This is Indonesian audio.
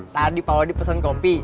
tadi pak wadi pesen kopi